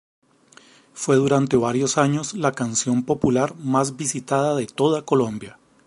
Fue durante varios años la canción popular más visitada de toda Colombia.